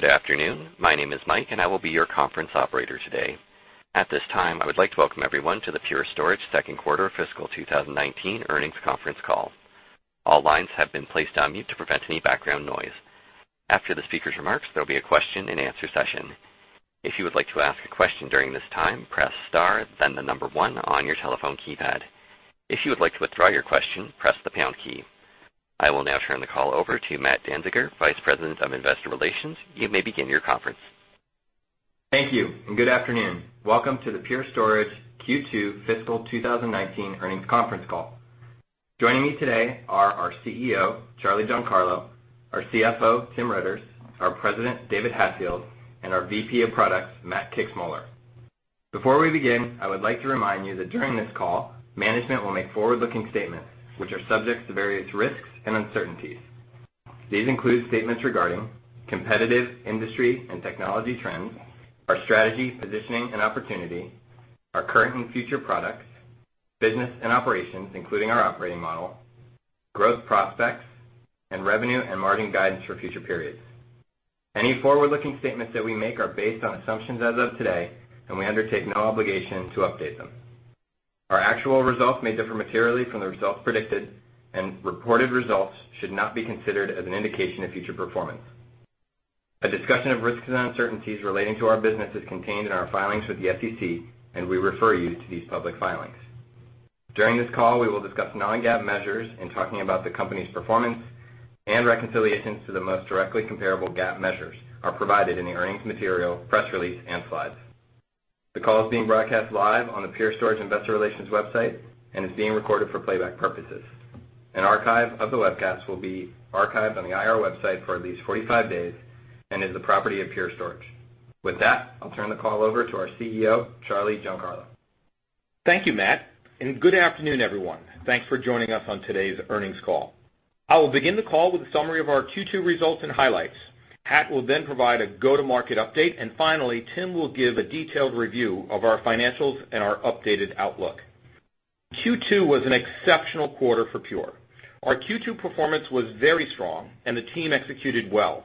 Good afternoon. My name is Mike, and I will be your conference operator today. At this time, I would like to welcome everyone to the Pure Storage second quarter fiscal 2019 earnings conference call. All lines have been placed on mute to prevent any background noise. After the speaker's remarks, there will be a question-and-answer session. If you would like to ask a question during this time, press star, then the number 1 on your telephone keypad. If you would like to withdraw your question, press the pound key. I will now turn the call over to Matt Danziger, Vice President of Investor Relations. You may begin your conference. Thank you. Good afternoon. Welcome to the Pure Storage Q2 fiscal 2019 earnings conference call. Joining me today are our CEO, Charles Giancarlo, our CFO, Tim Riitters, our President, David Hatfield, and our VP of products, Matt Kixmoeller. Before we begin, I would like to remind you that during this call, management will make forward-looking statements which are subject to various risks and uncertainties. These include statements regarding competitive industry and technology trends, our strategy, positioning, and opportunity, our current and future products, business and operations, including our operating model, growth prospects, and revenue and margin guidance for future periods. Any forward-looking statements that we make are based on assumptions as of today, and we undertake no obligation to update them. Our actual results may differ materially from the results predicted, and reported results should not be considered as an indication of future performance. A discussion of risks and uncertainties relating to our business is contained in our filings with the SEC, and we refer you to these public filings. During this call, we will discuss non-GAAP measures in talking about the company's performance and reconciliations to the most directly comparable GAAP measures are provided in the earnings material, press release, and slides. The call is being broadcast live on the Pure Storage investor relations website and is being recorded for playback purposes. An archive of the webcast will be archived on the IR website for at least 45 days and is the property ofPure Storage. With that, I'll turn the call over to our CEO, Charles Giancarlo. Thank you, Matt. Good afternoon, everyone. Thanks for joining us on today's earnings call. I will begin the call with a summary of our Q2 results and highlights. Pat will then provide a go-to-market update, and finally, Tim will give a detailed review of our financials and our updated outlook. Q2 was an exceptional quarter for Pure Storage. Our Q2 performance was very strong and the team executed well.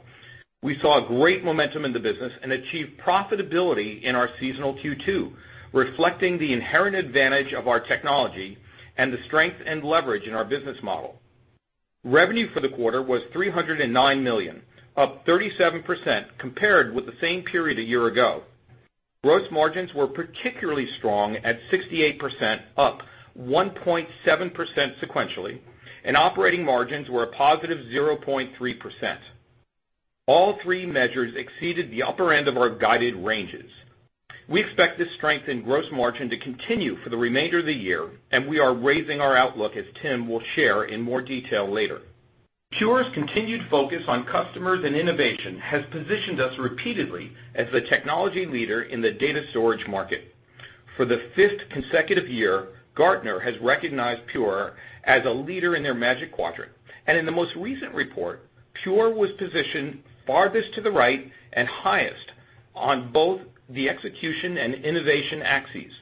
We saw great momentum in the business and achieved profitability in our seasonal Q2, reflecting the inherent advantage of our technology and the strength and leverage in our business model. Revenue for the quarter was $309 million, up 37% compared with the same period a year ago. Gross margins were particularly strong at 68%, up 1.7% sequentially, and operating margins were a positive 0.3%. All three measures exceeded the upper end of our guided ranges. We expect this strength in gross margin to continue for the remainder of the year, we are raising our outlook, as Tim will share in more detail later. Pure's continued focus on customers and innovation has positioned us repeatedly as the technology leader in the data storage market. For the fifth consecutive year, Gartner has recognized Pure as a leader in their Magic Quadrant. In the most recent report, Pure was positioned farthest to the right and highest on both the execution and innovation axes.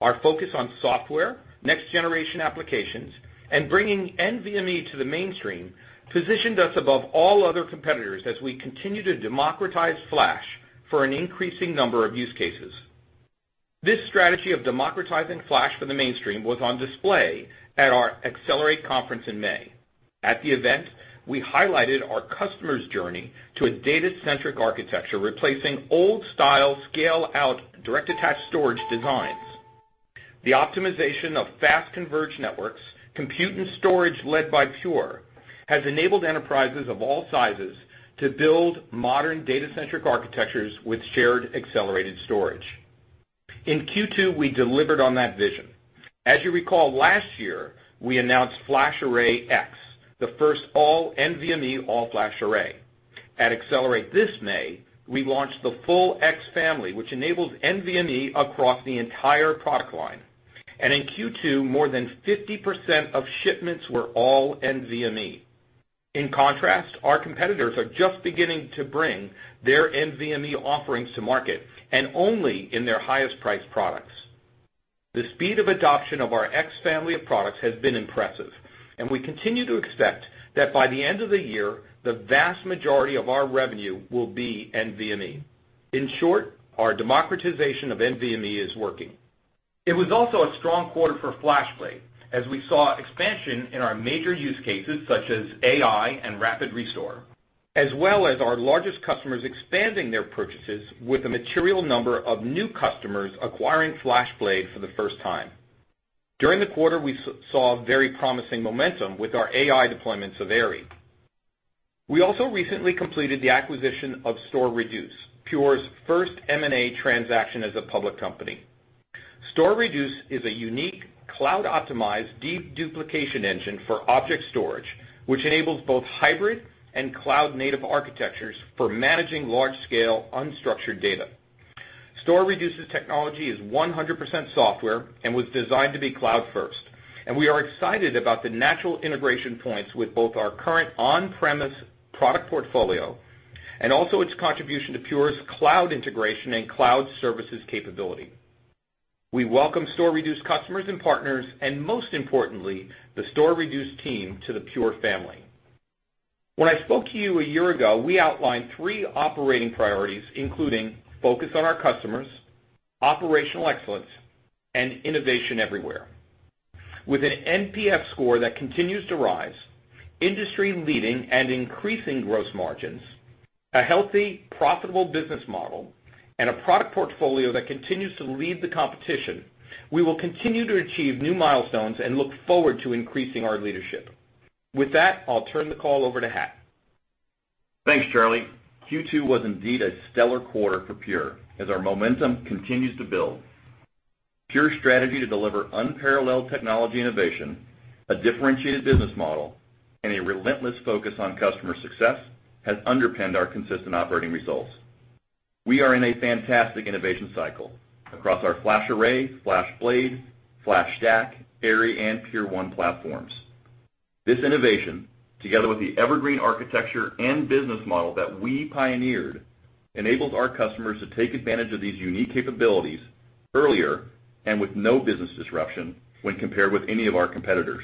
Our focus on software, next-generation applications, and bringing NVMe to the mainstream positioned us above all other competitors as we continue to democratize Flash for an increasing number of use cases. This strategy of democratizing Flash for the mainstream was on display at our Accelerate conference in May. At the event, we highlighted our customer's journey to a data-centric architecture, replacing old-style scale-out direct-attached storage designs. The optimization of fast converge networks, compute and storage led by Pure, has enabled enterprises of all sizes to build modern data-centric architectures with shared accelerated storage. In Q2, we delivered on that vision. As you recall, last year, we announced FlashArray//X, the first all NVMe all-flash array. At Accelerate this May, we launched the full X family, which enables NVMe across the entire product line. In Q2, more than 50% of shipments were all NVMe. In contrast, our competitors are just beginning to bring their NVMe offerings to market, and only in their highest-priced products. The speed of adoption of our X family of products has been impressive, and we continue to expect that by the end of the year, the vast majority of our revenue will be NVMe. In short, our democratization of NVMe is working. It was also a strong quarter for FlashBlade, as we saw expansion in our major use cases such as AI and rapid restore, as well as our largest customers expanding their purchases with a material number of new customers acquiring FlashBlade for the first time. During the quarter, we saw very promising momentum with our AI deployments of AIRI. We also recently completed the acquisition of StorReduce, Pure's first M&A transaction as a public company. StorReduce is a unique cloud-optimized, deduplication engine for object storage, which enables both hybrid and cloud-native architectures for managing large-scale unstructured data. StorReduce's technology is 100% software and was designed to be cloud-first, and we are excited about the natural integration points with both our current on-premise product portfolio and also its contribution to Pure's cloud integration and cloud services capability. We welcome StorReduce customers and partners, and most importantly, the StorReduce team to the Pure family. When I spoke to you a year ago, we outlined three operating priorities, including focus on our customers, operational excellence, and innovation everywhere. With an NPS score that continues to rise, industry-leading and increasing gross margins, a healthy, profitable business model, and a product portfolio that continues to lead the competition, we will continue to achieve new milestones and look forward to increasing our leadership. With that, I'll turn the call over to Hat. Thanks, Charlie. Q2 was indeed a stellar quarter for Pure, as our momentum continues to build. Pure's strategy to deliver unparalleled technology innovation, a differentiated business model, and a relentless focus on customer success has underpinned our consistent operating results. We are in a fantastic innovation cycle across our FlashArray, FlashBlade, FlashStack, AIRI, and Pure1 platforms. This innovation, together with the Evergreen architecture and business model that we pioneered, enables our customers to take advantage of these unique capabilities earlier and with no business disruption when compared with any of our competitors.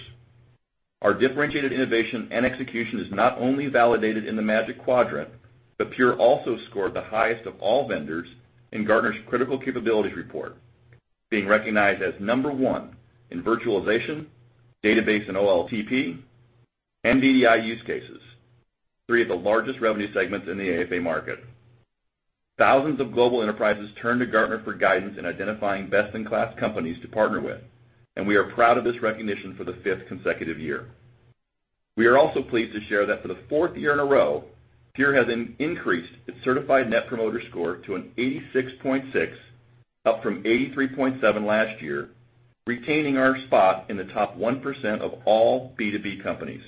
Our differentiated innovation and execution is not only validated in the Magic Quadrant, but Pure also scored the highest of all vendors in Gartner's Critical Capabilities Report, being recognized as number 1 in virtualization, database and OLTP, and DDI use cases, three of the largest revenue segments in the AFA market. Thousands of global enterprises turn to Gartner for guidance in identifying best-in-class companies to partner with. We are proud of this recognition for the fifth consecutive year. We are also pleased to share that for the fourth year in a row, Pure has increased its certified Net Promoter Score to an 86.6, up from 83.7 last year, retaining our spot in the top 1% of all B2B companies.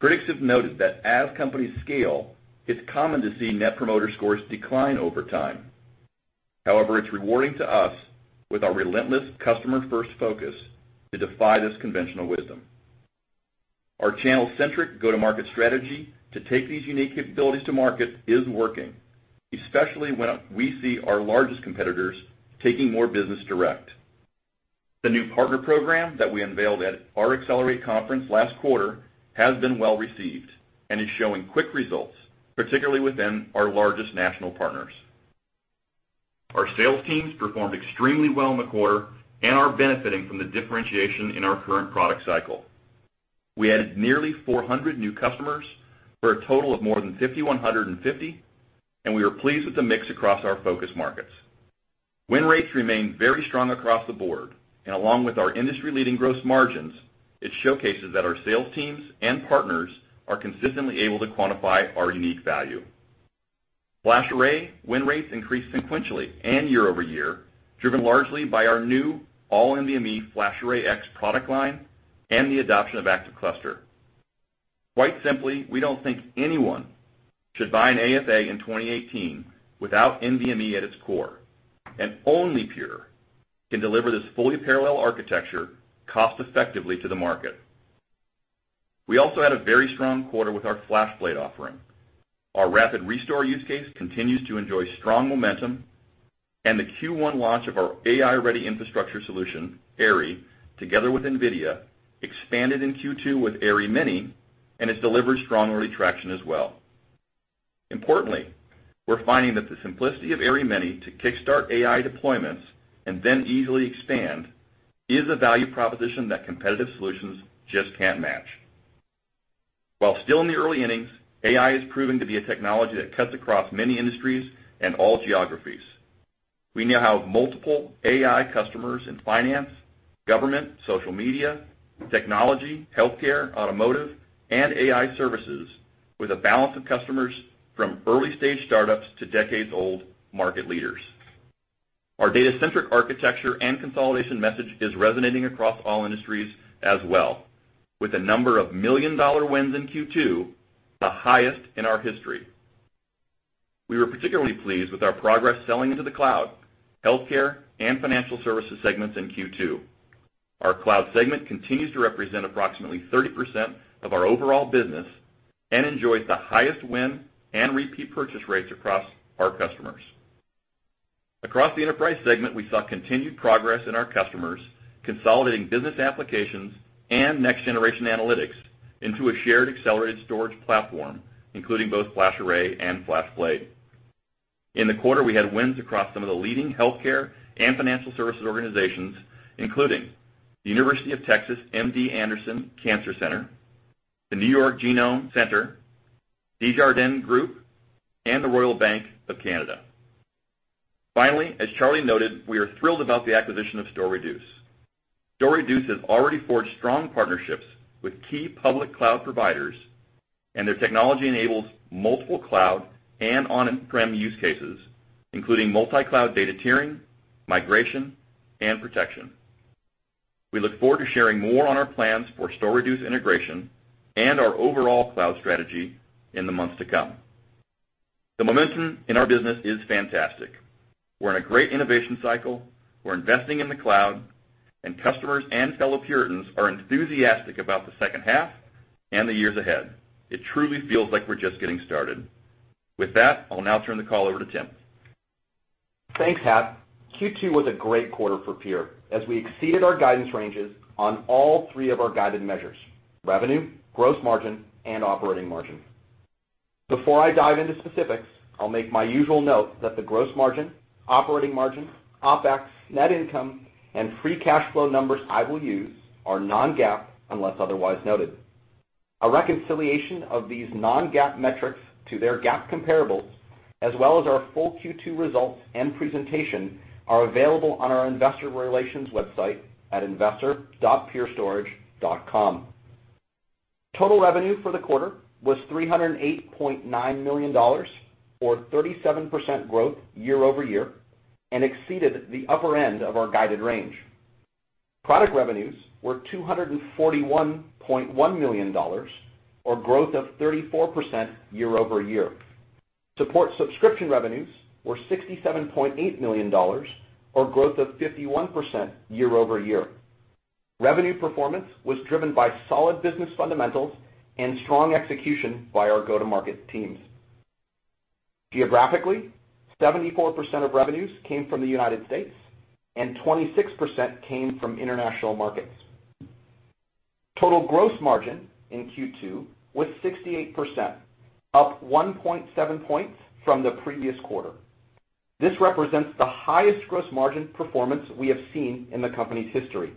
Critics have noted that as companies scale, it's common to see Net Promoter Scores decline over time. However, it's rewarding to us, with our relentless customer-first focus, to defy this conventional wisdom. Our channel-centric go-to-market strategy to take these unique capabilities to market is working, especially when we see our largest competitors taking more business direct. The new partner program that we unveiled at our Accelerate conference last quarter has been well-received and is showing quick results, particularly within our largest national partners. Our sales teams performed extremely well in the quarter and are benefiting from the differentiation in our current product cycle. We added nearly 400 new customers for a total of more than 5,150. We are pleased with the mix across our focus markets. Win rates remain very strong across the board. Along with our industry-leading gross margins, it showcases that our sales teams and partners are consistently able to quantify our unique value. FlashArray win rates increased sequentially and year-over-year, driven largely by our new all-NVMe FlashArray//X product line and the adoption of ActiveCluster. Quite simply, we don't think anyone should buy an AFA in 2018 without NVMe at its core. Only Pure can deliver this fully parallel architecture cost-effectively to the market. We also had a very strong quarter with our FlashBlade offering. Our rapid restore use case continues to enjoy strong momentum. The Q1 launch of our AI-ready infrastructure solution, AIRI, together with NVIDIA, expanded in Q2 with AIRI Mini and has delivered strong early traction as well. Importantly, we're finding that the simplicity of AIRI Mini to kickstart AI deployments and then easily expand is a value proposition that competitive solutions just can't match. While still in the early innings, AI is proving to be a technology that cuts across many industries and all geographies. We now have multiple AI customers in finance, government, social media, technology, healthcare, automotive, and AI services, with a balance of customers from early-stage startups to decades-old market leaders. Our data-centric architecture and consolidation message is resonating across all industries as well, with the number of million-dollar wins in Q2 the highest in our history. We were particularly pleased with our progress selling into the cloud, healthcare, and financial services segments in Q2. Our cloud segment continues to represent approximately 30% of our overall business and enjoys the highest win and repeat purchase rates across our customers. Across the enterprise segment, we saw continued progress in our customers consolidating business applications and next-generation analytics into a shared accelerated storage platform, including both FlashArray and FlashBlade. In the quarter, we had wins across some of the leading healthcare and financial services organizations, including The University of Texas MD Anderson Cancer Center, the New York Genome Center, Desjardins Group, and the Royal Bank of Canada. As Charlie noted, we are thrilled about the acquisition of StorReduce. StorReduce has already forged strong partnerships with key public cloud providers, and their technology enables multiple cloud and on-prem use cases, including multi-cloud data tiering, migration, and protection. We look forward to sharing more on our plans for StorReduce integration and our overall cloud strategy in the months to come. The momentum in our business is fantastic. We're in a great innovation cycle, we're investing in the cloud, and customers and fellow Puritans are enthusiastic about the second half and the years ahead. It truly feels like we're just getting started. With that, I'll now turn the call over to Tim. Thanks, Hap. Q2 was a great quarter for Pure as we exceeded our guidance ranges on all three of our guided measures: revenue, gross margin, and operating margin. Before I dive into specifics, I'll make my usual note that the gross margin, operating margin, OpEx, net income, and free cash flow numbers I will use are non-GAAP, unless otherwise noted. A reconciliation of these non-GAAP metrics to their GAAP comparables, as well as our full Q2 results and presentation, are available on our investor relations website at investor.purestorage.com. Total revenue for the quarter was $308.9 million, or 37% growth year-over-year, and exceeded the upper end of our guided range. Product revenues were $241.1 million, or growth of 34% year-over-year. Support subscription revenues were $67.8 million, or growth of 51% year-over-year. Revenue performance was driven by solid business fundamentals and strong execution by our go-to-market teams. Geographically, 74% of revenues came from the U.S., and 26% came from international markets. Total gross margin in Q2 was 68%, up 1.7 points from the previous quarter. This represents the highest gross margin performance we have seen in the company's history.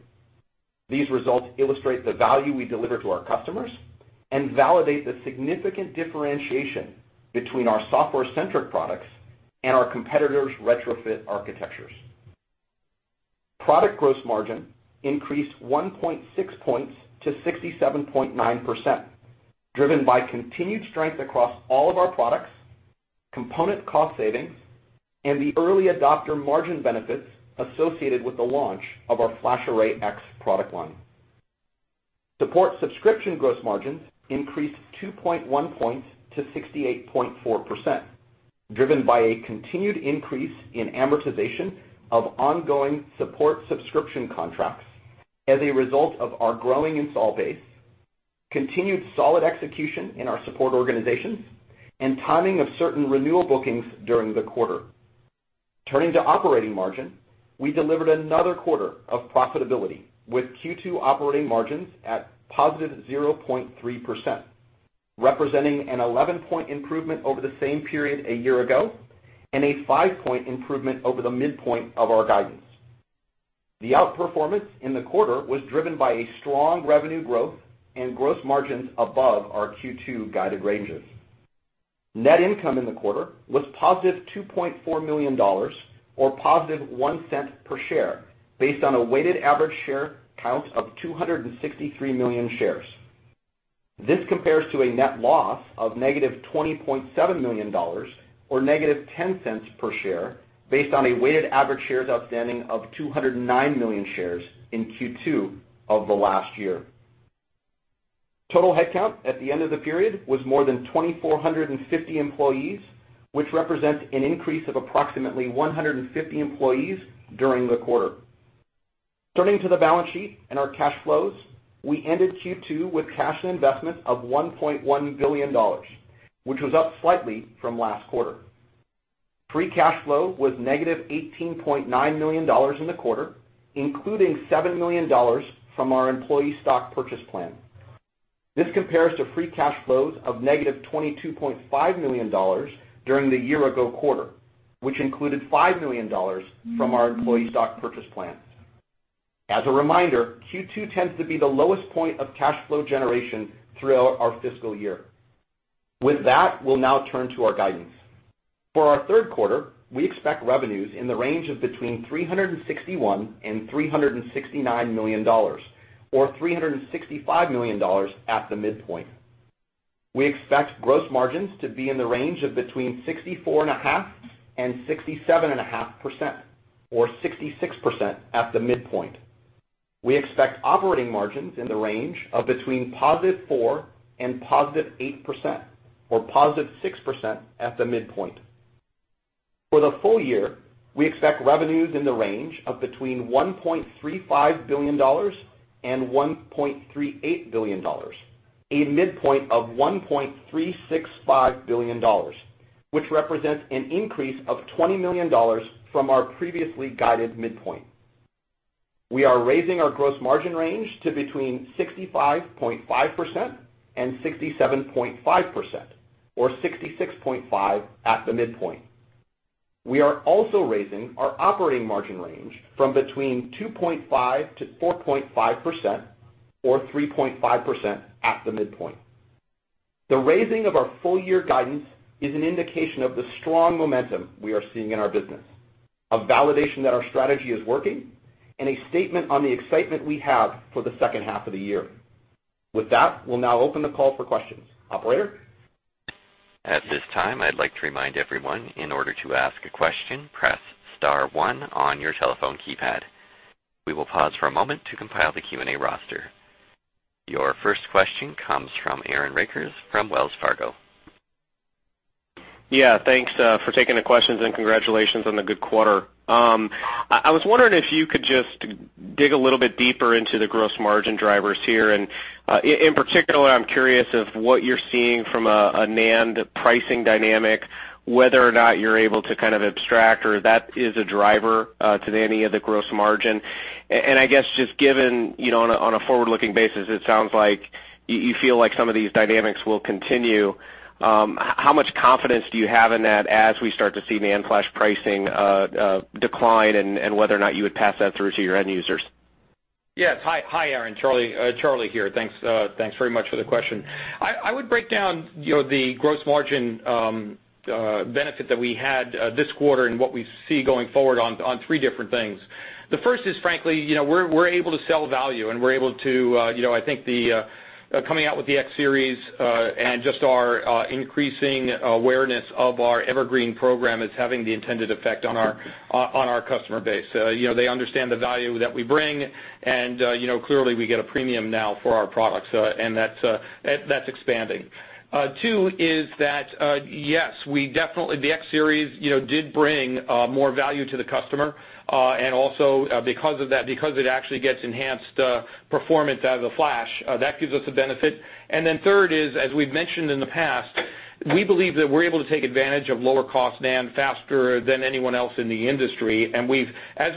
These results illustrate the value we deliver to our customers and validate the significant differentiation between our software-centric products and our competitors' retrofit architectures. Product gross margin increased 1.6 points to 67.9%, driven by continued strength across all of our products, component cost savings, and the early adopter margin benefits associated with the launch of our FlashArray//X product line. Support subscription gross margins increased 2.1 points to 68.4%, driven by a continued increase in amortization of ongoing support subscription contracts as a result of our growing install base, continued solid execution in our support organizations, and timing of certain renewal bookings during the quarter. Turning to operating margin, we delivered another quarter of profitability with Q2 operating margins at positive 0.3%, representing an 11-point improvement over the same period a year ago and a five-point improvement over the midpoint of our guidance. The outperformance in the quarter was driven by a strong revenue growth and gross margins above our Q2 guided ranges. Net income in the quarter was positive $2.4 million, or positive $0.01 per share, based on a weighted average share count of 263 million shares. This compares to a net loss of negative $20.7 million, or negative $0.10 per share, based on a weighted average shares outstanding of 209 million shares in Q2 of the last year. Total headcount at the end of the period was more than 2,450 employees, which represents an increase of approximately 150 employees during the quarter. Turning to the balance sheet and our cash flows, we ended Q2 with cash and investments of $1.1 billion, which was up slightly from last quarter. Free cash flow was negative $18.9 million in the quarter, including $7 million from our employee stock purchase plan. This compares to free cash flows of negative $22.5 million during the year-ago quarter, which included $5 million from our employee stock purchase plan. As a reminder, Q2 tends to be the lowest point of cash flow generation throughout our fiscal year. With that, we'll now turn to our guidance. For our third quarter, we expect revenues in the range of between $361 million and $369 million, or $365 million at the midpoint. We expect gross margins to be in the range of between 64.5% and 67.5%, or 66% at the midpoint. We expect operating margins in the range of between positive 4% and positive 8%, or positive 6% at the midpoint. For the full year, we expect revenues in the range of between $1.35 billion and $1.38 billion, a midpoint of $1.365 billion, which represents an increase of $20 million from our previously guided midpoint. We are raising our gross margin range to between 65.5% and 67.5%, or 66.5% at the midpoint. We are also raising our operating margin range from between 2.5% to 4.5%, or 3.5% at the midpoint. The raising of our full year guidance is an indication of the strong momentum we are seeing in our business, a validation that our strategy is working, and a statement on the excitement we have for the second half of the year. With that, we will now open the call for questions. Operator? At this time, I'd like to remind everyone, in order to ask a question, press star one on your telephone keypad. We will pause for a moment to compile the Q&A roster. Your first question comes from Aaron Rakers from Wells Fargo. Yeah. Thanks for taking the questions, and congratulations on the good quarter. I was wondering if you could just Dig a little bit deeper into the gross margin drivers here. In particular, I'm curious of what you're seeing from a NAND pricing dynamic, whether or not you're able to abstract or that is a driver to any of the gross margin. I guess just given on a forward-looking basis, it sounds like you feel like some of these dynamics will continue. How much confidence do you have in that as we start to see NAND flash pricing decline and whether or not you would pass that through to your end users? Yes. Hi, Aaron. Charlie here. Thanks very much for the question. I would break down the gross margin benefit that we had this quarter and what we see going forward on 3 different things. The first is, frankly, we're able to sell value, and we're able to, I think the coming out with the X Series, and just our increasing awareness of our Evergreen program is having the intended effect on our customer base. They understand the value that we bring, and clearly, we get a premium now for our products, and that's expanding. 2 is that, yes, we definitely, the X Series did bring more value to the customer, and also, because of that, because it actually gets enhanced performance out of the flash, that gives us a benefit. 3rd is, as we've mentioned in the past, we believe that we're able to take advantage of lower-cost NAND faster than anyone else in the industry. As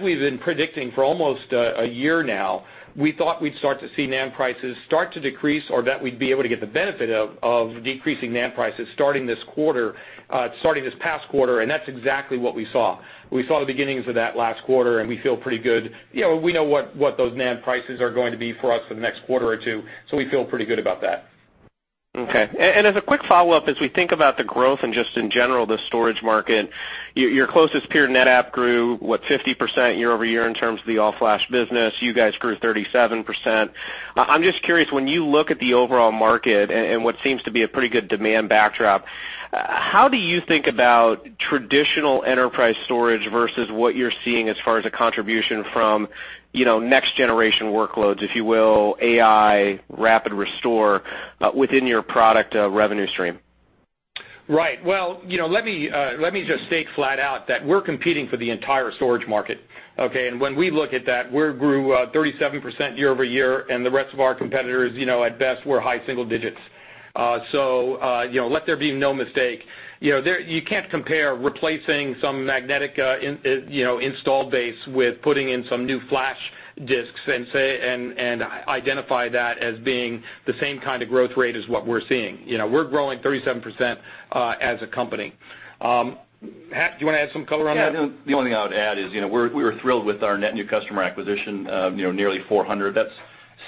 we've been predicting for almost a year now, we thought we'd start to see NAND prices start to decrease, or that we'd be able to get the benefit of decreasing NAND prices starting this past quarter, and that's exactly what we saw. We saw the beginnings of that last quarter, and we feel pretty good. We know what those NAND prices are going to be for us for the next quarter or 2, so we feel pretty good about that. Okay. As a quick follow-up, as we think about the growth and just in general, the storage market, your closest peer, NetApp, grew, what, 50% year-over-year in terms of the all-flash business. You guys grew 37%. I'm just curious, when you look at the overall market and what seems to be a pretty good demand backdrop, how do you think about traditional enterprise storage versus what you're seeing as far as a contribution from next-generation workloads, if you will, AI, rapid restore, within your product revenue stream? Right. Well, let me just state flat out that we're competing for the entire storage market, okay? When we look at that, we grew 37% year-over-year, and the rest of our competitors, at best, were high single digits. Let there be no mistake. You can't compare replacing some magnetic installed base with putting in some new Flash disks and identify that as being the same kind of growth rate as what we're seeing. We're growing 37% as a company. Do you want to add some color on that? Yeah, the only thing I would add is we were thrilled with our net new customer acquisition of nearly 400. That's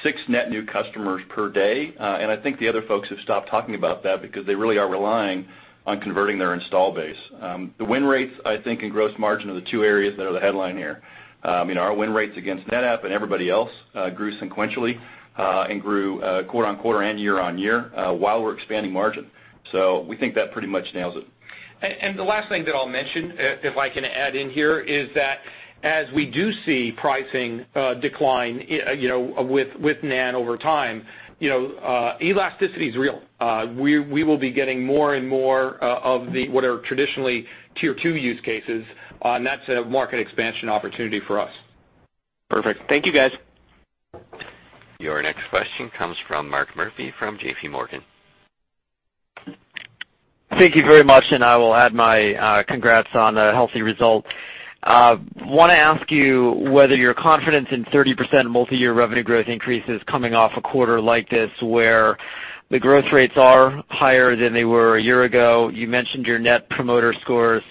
six net new customers per day. I think the other folks have stopped talking about that because they really are relying on converting their install base. The win rates, I think, and gross margin are the two areas that are the headline here. Our win rates against NetApp and everybody else grew sequentially, and grew quarter-over-quarter and year-over-year, while we're expanding margin. We think that pretty much nails it. The last thing that I'll mention, if I can add in here, is that as we do see pricing decline with NAND over time, elasticity's real. We will be getting more and more of what are traditionally tier 2 use cases. That's a market expansion opportunity for us. Perfect. Thank you, guys. Your next question comes from Mark Murphy from JPMorgan. Thank you very much, and I will add my congrats on the healthy results. Want to ask you whether your confidence in 30% multi-year revenue growth increase is coming off a quarter like this, where the growth rates are higher than they were a year ago. You mentioned your Net Promoter Scores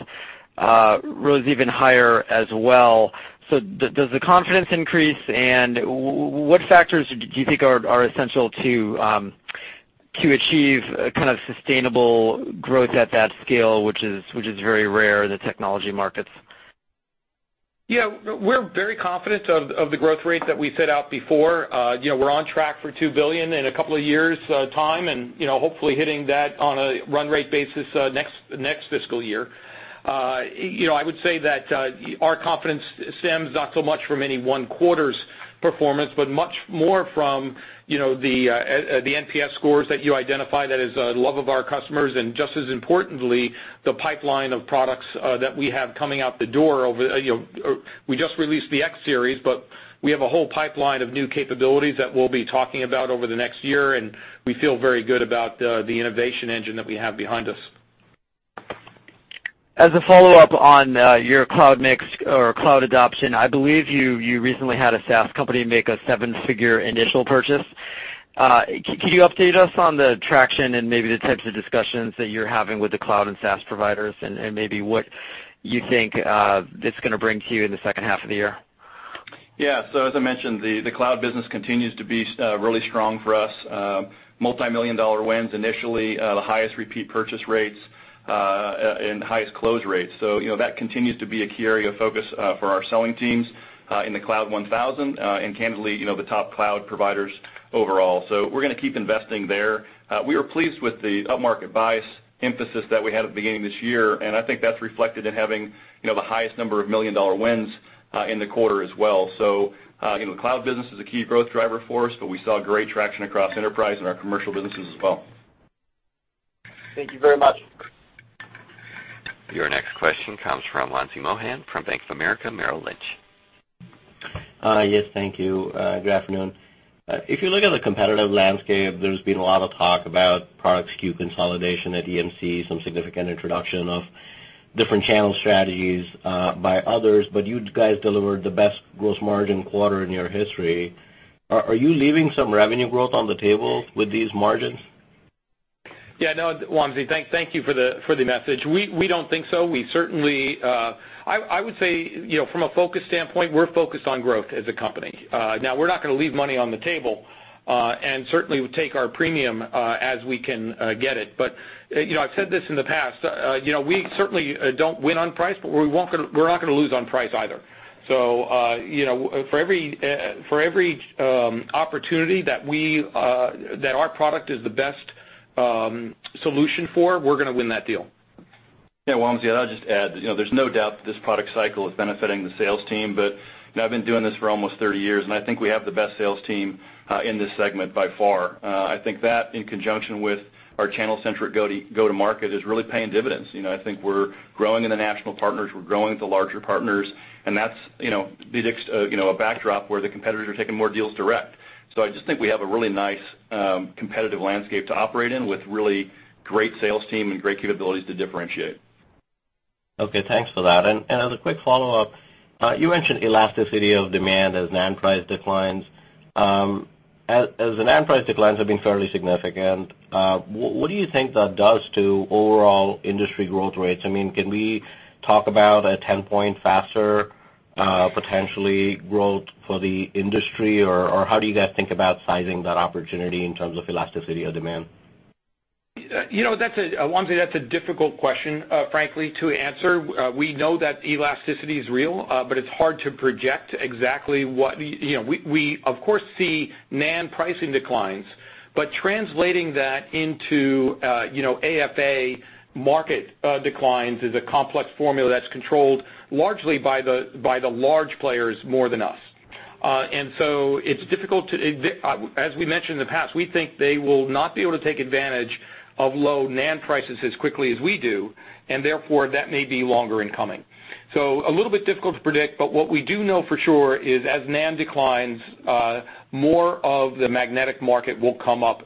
rose even higher as well. Does the confidence increase, and what factors do you think are essential to achieve sustainable growth at that scale, which is very rare in the technology markets? We're very confident of the growth rate that we set out before. We're on track for $2 billion in a couple of years' time, and hopefully hitting that on a run rate basis next fiscal year. I would say that our confidence stems not so much from any one quarter's performance, but much more from the NPS scores that you identified. That is love of our customers and just as importantly, the pipeline of products that we have coming out the door. We just released the X Series, we have a whole pipeline of new capabilities that we'll be talking about over the next year, and we feel very good about the innovation engine that we have behind us. As a follow-up on your cloud mix or cloud adoption, I believe you recently had a SaaS company make a seven-figure initial purchase. Can you update us on the traction and maybe the types of discussions that you're having with the cloud and SaaS providers and maybe what you think it's going to bring to you in the second half of the year? As I mentioned, the cloud business continues to be really strong for us. Multimillion-dollar wins initially, the highest repeat purchase rates, and highest close rates. That continues to be a key area of focus for our selling teams in the Cloud 1000, and candidly, the top cloud providers overall. We're going to keep investing there. We were pleased with the upmarket bias emphasis that we had at the beginning of this year, and I think that's reflected in having the highest number of million-dollar wins in the quarter as well. The cloud business is a key growth driver for us, we saw great traction across enterprise and our commercial businesses as well. Thank you very much. Your next question comes from Wamsi Mohan from Bank of America Merrill Lynch. Yes, thank you. Good afternoon. If you look at the competitive landscape, there's been a lot of talk about product SKU consolidation at EMC, some significant introduction of different channel strategies by others. You guys delivered the best gross margin quarter in your history. Are you leaving some revenue growth on the table with these margins? Yeah, I know, Wamsi. Thank you for the message. We don't think so. I would say from a focus standpoint, we're focused on growth as a company. Now, we're not going to leave money on the table, and certainly, we take our premium as we can get it. I've said this in the past. We certainly don't win on price, but we're not going to lose on price either. For every opportunity that our product is the best solution for, we're going to win that deal. Wamsi, I'll just add, there's no doubt that this product cycle is benefiting the sales team, but I've been doing this for almost 30 years, and I think we have the best sales team in this segment by far. I think that in conjunction with our channel-centric go-to-market is really paying dividends. I think we're growing in the national partners, we're growing at the larger partners, and that's a backdrop where the competitors are taking more deals direct. I just think we have a really nice competitive landscape to operate in with really great sales team and great capabilities to differentiate. Okay, thanks for that. As a quick follow-up, you mentioned elasticity of demand as NAND price declines. As the NAND price declines have been fairly significant, what do you think that does to overall industry growth rates? Can we talk about a 10-point faster, potentially, growth for the industry? How do you guys think about sizing that opportunity in terms of elasticity of demand? Wamsi, that's a difficult question, frankly, to answer. We know that elasticity is real, but it's hard to project. We of course see NAND pricing declines, but translating that into AFA market declines is a complex formula that's controlled largely by the large players more than us. It's difficult. As we mentioned in the past, we think they will not be able to take advantage of low NAND prices as quickly as we do, therefore, that may be longer in coming. A little bit difficult to predict, but what we do know for sure is as NAND declines, more of the magnetic market will come up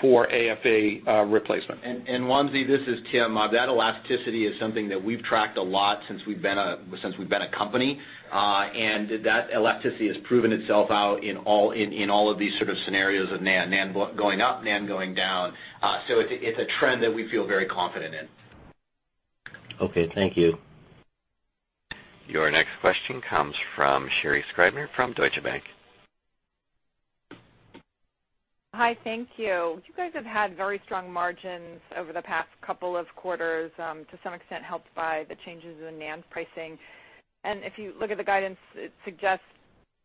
for AFA replacement. Wamsi, this is Tim. That elasticity is something that we've tracked a lot since we've been a company. That elasticity has proven itself out in all of these sort of scenarios of NAND going up, NAND going down. It's a trend that we feel very confident in. Okay, thank you. Your next question comes from Sherri Scribner from Deutsche Bank. Hi, thank you. You guys have had very strong margins over the past couple of quarters, to some extent helped by the changes in NAND pricing. If you look at the guidance, it suggests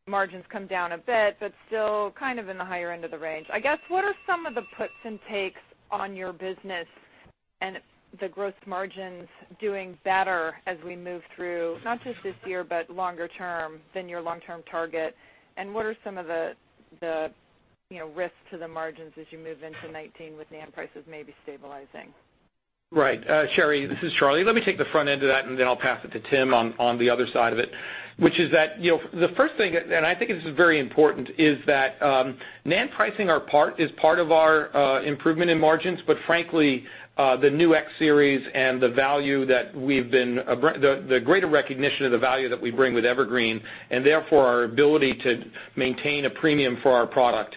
margins come down a bit, but still kind of in the higher end of the range. I guess, what are some of the puts and takes on your business and the gross margins doing better as we move through, not just this year, but longer term than your long-term target, and what are some of the risks to the margins as you move into 2019 with NAND prices maybe stabilizing? Right. Sherri, this is Charlie. Let me take the front end of that, and then I'll pass it to Tim on the other side of it, which is that the first thing, and I think this is very important, is that NAND pricing is part of our improvement in margins, but frankly, the new X series and the greater recognition of the value that we bring with Evergreen, and therefore, our ability to maintain a premium for our product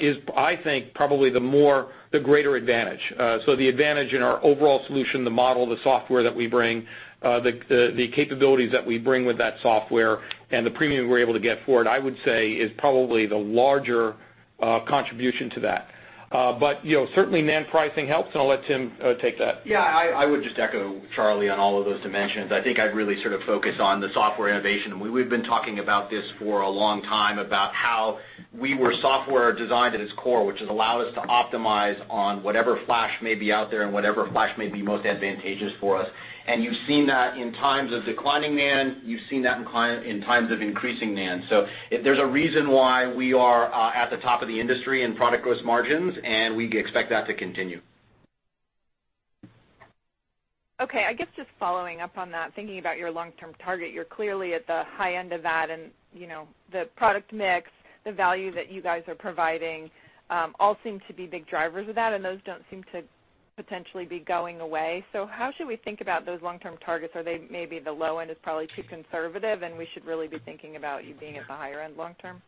is, I think, probably the greater advantage. The advantage in our overall solution, the model, the software that we bring, the capabilities that we bring with that software and the premium we're able to get for it, I would say is probably the larger contribution to that. Certainly NAND pricing helps, and I'll let Tim take that. Yeah, I would just echo Charlie on all of those dimensions. I think I'd really sort of focus on the software innovation. We've been talking about this for a long time about how we were software designed at its core, which has allowed us to optimize on whatever NAND may be out there and whatever NAND may be most advantageous for us. And you've seen that in times of declining NAND. You've seen that in times of increasing NAND. There's a reason why we are at the top of the industry in product gross margins, and we expect that to continue. Okay. I guess just following up on that, thinking about your long-term target, you're clearly at the high end of that, and the product mix, the value that you guys are providing, all seem to be big drivers of that, and those don't seem to potentially be going away. How should we think about those long-term targets? Are they maybe the low end is probably too conservative, and we should really be thinking about you being at the higher end long term?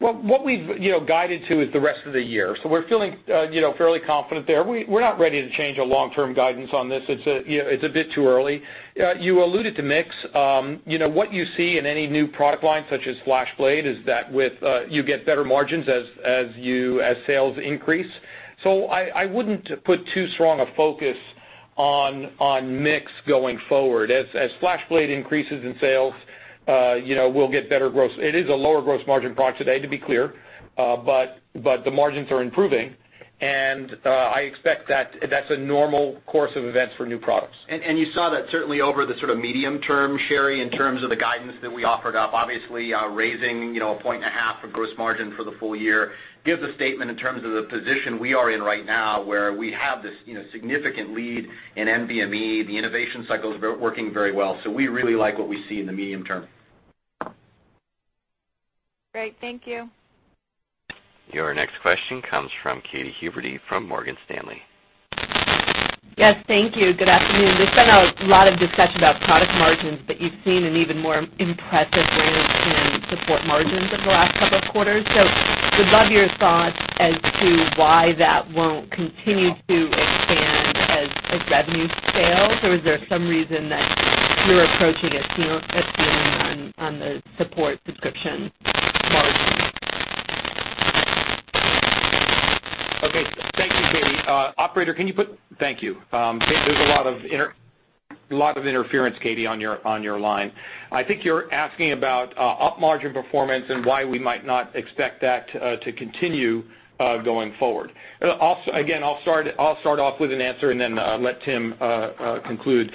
Well, what we've guided to is the rest of the year, so we're feeling fairly confident there. We're not ready to change our long-term guidance on this. It's a bit too early. You alluded to mix. What you see in any new product line, such as FlashBlade, is that you get better margins as sales increase. I wouldn't put too strong a focus on mix going forward. As FlashBlade increases in sales, we'll get better gross. It is a lower gross margin product today, to be clear, but the margins are improving, and I expect that that's a normal course of events for new products. You saw that certainly over the sort of medium term, Sherri, in terms of the guidance that we offered up, obviously raising a point and a half of gross margin for the full year gives a statement in terms of the position we are in right now where we have this significant lead in NVMe, the innovation cycle's working very well. We really like what we see in the medium term. Great. Thank you. Your next question comes from Katy Huberty from Morgan Stanley. Yes, thank you. Good afternoon. There's been a lot of discussion about product margins, but you've seen an even more impressive range in support margins over the last couple of quarters. Would love your thoughts as to why that won't continue to expand as revenue scales, or is there some reason that you're approaching it differently on the support subscription margin? Okay. Thank you, Katy Thank you. There's a lot of interference, Katy, on your line. I think you're asking about OpEx margin performance and why we might not expect that to continue going forward. Again, I'll start off with an answer and then let Tim conclude.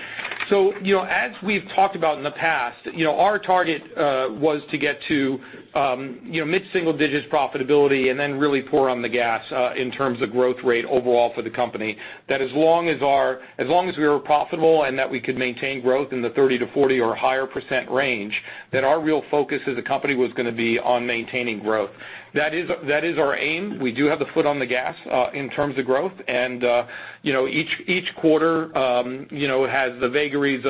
As we've talked about in the past, our target was to get to mid-single digits profitability and then really pour on the gas in terms of growth rate overall for the company. That as long as we were profitable and that we could maintain growth in the 30%-40% or higher range, that our real focus as a company was going to be on maintaining growth. That is our aim. We do have the foot on the gas in terms of growth. Each quarter has the vagaries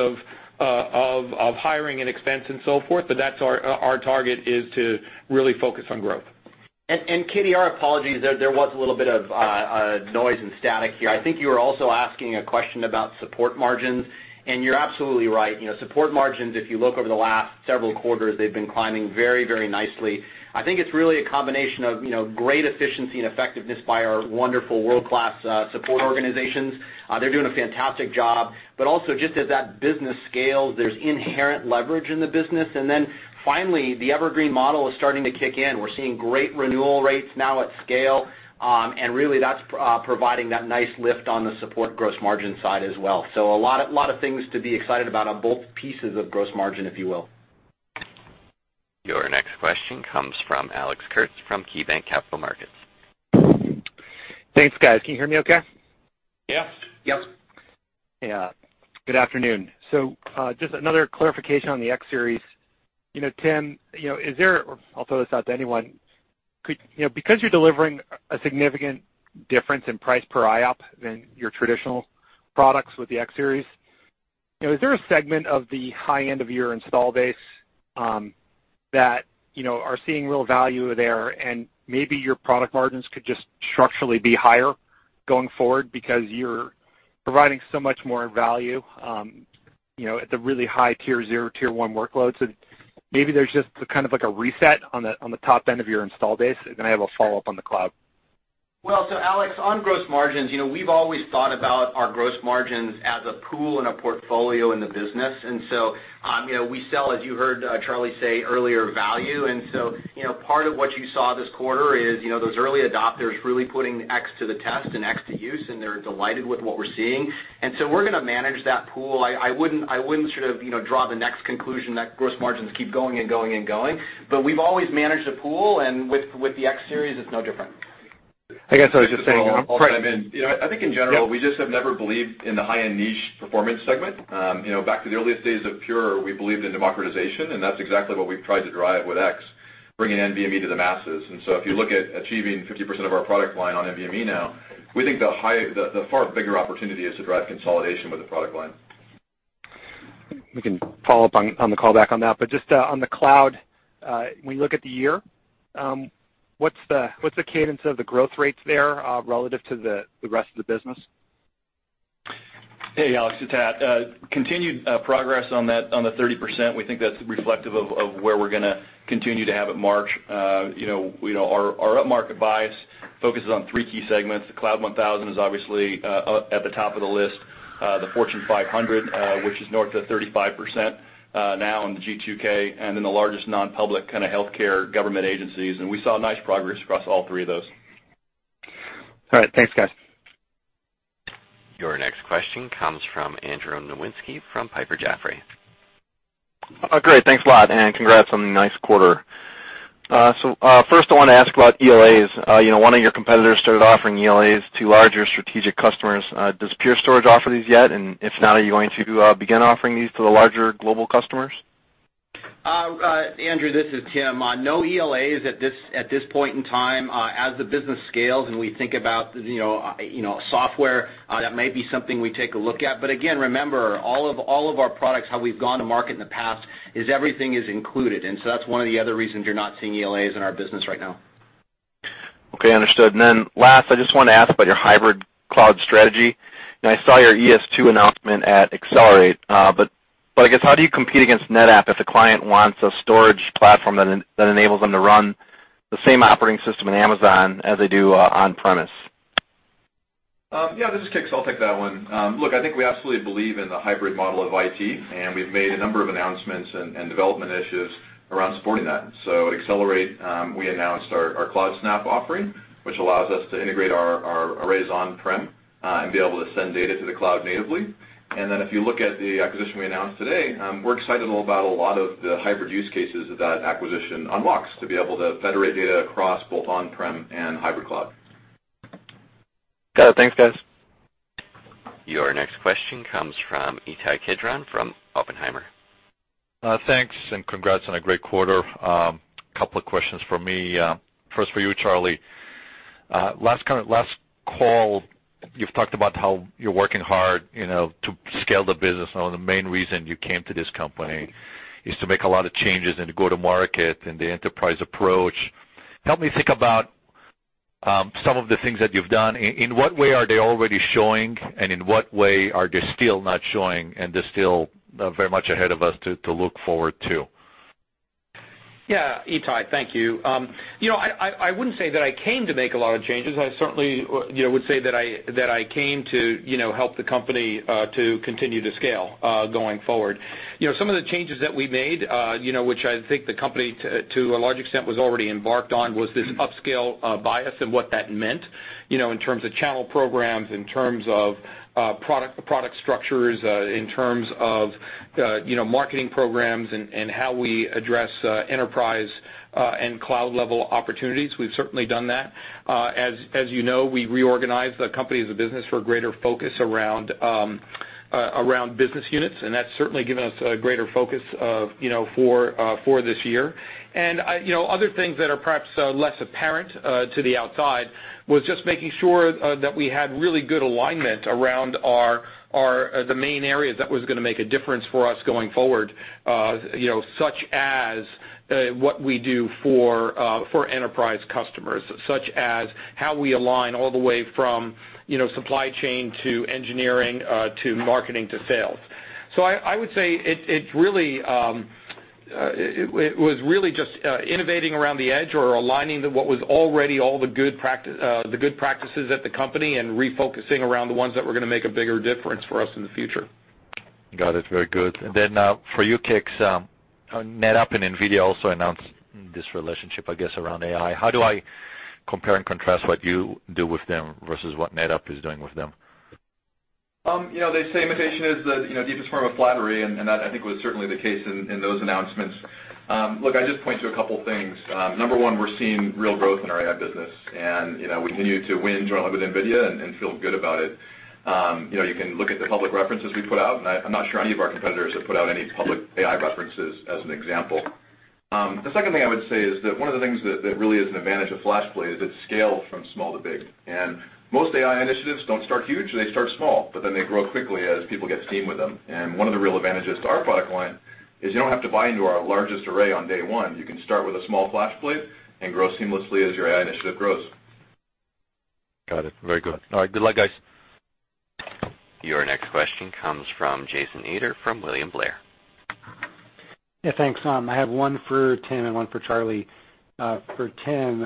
of hiring and expense and so forth. That's our target is to really focus on growth. Katy, our apologies. There was a little bit of noise and static here. I think you were also asking a question about support margins. You're absolutely right. Support margins, if you look over the last several quarters, they've been climbing very nicely. I think it's really a combination of great efficiency and effectiveness by our wonderful world-class support organizations. They're doing a fantastic job. Also just as that business scales, there's inherent leverage in the business. Finally, the Evergreen model is starting to kick in. We're seeing great renewal rates now at scale. Really that's providing that nice lift on the support gross margin side as well. A lot of things to be excited about on both pieces of gross margin, if you will. Your next question comes from Alex Kurtz from KeyBanc Capital Markets. Thanks, guys. Can you hear me okay? Yeah. Yep. Yeah. Good afternoon. Just another clarification on the X series. Tim, is there. I'll throw this out to anyone. Because you're delivering a significant difference in price per IOPS than your traditional products with the X series, is there a segment of the high-end of your install base that are seeing real value there and maybe your product margins could just structurally be higher going forward because you're providing so much more value at the really high tier 0, tier 1 workloads? Maybe there's just a reset on the top end of your install base. I have a follow-up on the cloud. Alex, on gross margins, we've always thought about our gross margins as a pool and a portfolio in the business. We sell, as you heard Charlie say earlier, value. Part of what you saw this quarter is those early adopters really putting X to the test and X to use, and they're delighted with what we're seeing. We're going to manage that pool. I wouldn't draw the next conclusion that gross margins keep going and going. We've always managed a pool, and with the X series, it's no different. I guess I was just saying- I'll chime in. I think in general, we just have never believed in the high-end niche performance segment. Back to the earliest days of Pure, we believed in democratization, and that's exactly what we've tried to drive with X, bringing NVMe to the masses. If you look at achieving 50% of our product line on NVMe now, we think the far bigger opportunity is to drive consolidation with the product line. We can follow up on the call back on that. Just on the cloud, when you look at the year, what's the cadence of the growth rates there relative to the rest of the business? Hey, Alex, it's Tad. Continued progress on the 30%. We think that's reflective of where we're going to continue to have it march. Our upmarket buys focuses on three key segments. The Cloud 1000 is obviously up at the top of the list. The Fortune 500, which is north of 35% now in the G2K and in the largest non-public kind of healthcare government agencies. We saw nice progress across all three of those. All right. Thanks, guys. Your next question comes from Andrew Nowinski from Piper Jaffray. Great. Thanks a lot and congrats on the nice quarter. First I want to ask about ELAs. One of your competitors started offering ELAs to larger strategic customers. Does Pure Storage offer these yet? If not, are you going to begin offering these to the larger global customers? Andrew, this is Tim. No ELAs at this point in time. As the business scales and we think about software, that might be something we take a look at. Again, remember, all of our products, how we've gone to market in the past is everything is included. That's one of the other reasons you're not seeing ELAs in our business right now. Okay, understood. Last, I just want to ask about your hybrid cloud strategy. I saw your ES2 announcement at Accelerate. I guess how do you compete against NetApp if the client wants a storage platform that enables them to run the same operating system in Amazon as they do on-premise? Yeah, this is Kix. I'll take that one. Look, I think we absolutely believe in the hybrid model of IT, and we've made a number of announcements and development initiatives around supporting that. Accelerate, we announced our CloudSnap offering, which allows us to integrate our arrays on-prem and be able to send data to the cloud natively. If you look at the acquisition we announced today, we're excited about a lot of the hybrid use cases that acquisition unlocks to be able to federate data across both on-prem and hybrid cloud. Got it. Thanks, guys. Your next question comes from Ittai Kidron from Oppenheimer. Thanks, and congrats on a great quarter. Couple of questions from me. First for you, Charlie. Last call, you've talked about how you're working hard to scale the business. One of the main reason you came to this company is to make a lot of changes in the go-to-market and the enterprise approach. Help me think about some of the things that you've done. In what way are they already showing, and in what way are they still not showing, and they're still very much ahead of us to look forward to? Yeah, Ittai, thank you. I wouldn't say that I came to make a lot of changes. I certainly would say that I came to help the company to continue to scale going forward. Some of the changes that we made which I think the company, to a large extent, was already embarked on, was this upscale bias and what that meant, in terms of channel programs, in terms of product structures, in terms of marketing programs and how we address enterprise and cloud-level opportunities. We've certainly done that. As you know, we reorganized the company as a business for a greater focus around business units, and that's certainly given us a greater focus for this year. Other things that are perhaps less apparent to the outside was just making sure that we had really good alignment around the main areas that was going to make a difference for us going forward, such as what we do for enterprise customers, such as how we align all the way from supply chain to engineering to marketing to sales. I would say it was really just innovating around the edge or aligning what was already all the good practices at the company and refocusing around the ones that were going to make a bigger difference for us in the future. Got it. Very good. Then for you, Kix, NetApp and NVIDIA also announced this relationship, I guess, around AI. How do I compare and contrast what you do with them versus what NetApp is doing with them? They say imitation is the deepest form of flattery, that, I think, was certainly the case in those announcements. Look, I just point to a couple things. Number one, we're seeing real growth in our AI business, we continue to win jointly with NVIDIA and feel good about it. You can look at the public references we put out, I'm not sure any of our competitors have put out any public AI references as an example. The second thing I would say is that one of the things that really is an advantage of FlashBlade is its scale from small to big. Most AI initiatives don't start huge, they start small, but then they grow quickly as people get steam with them. One of the real advantages to our product line is you don't have to buy into our largest array on day one. You can start with a small FlashBlade and grow seamlessly as your AI initiative grows. Got it. Very good. All right. Good luck, guys. Your next question comes from Jason Ader from William Blair. Yeah, thanks. I have one for Tim and one for Charlie. For Tim,